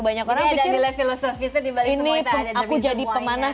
banyak orang pikir ini aku jadi pemanah